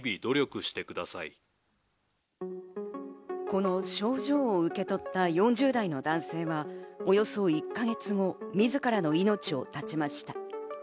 この症状を受け取った４０代の男性はおよそ１か月後、みずからの命を絶ちました。